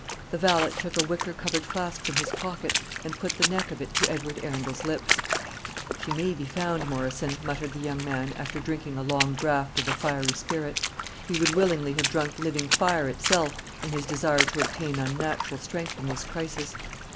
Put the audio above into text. The valet took a wicker covered flask from his pocket, and put the neck of it to Edward Arundel's lips. "She may be found, Morrison," muttered the young man, after drinking a long draught of the fiery spirit; he would willingly have drunk living fire itself, in his desire to obtain unnatural strength in this crisis.